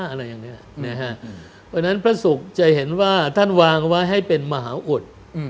เพราะฉะนั้นพระศุกร์จะเห็นว่าท่านวางไว้ให้เป็นมหาอุด